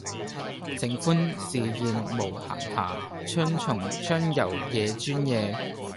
承歡侍宴無閑暇，春從春游夜專夜。